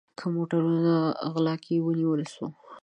د موټروپه غلا کې ونیول سو